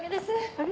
あれ？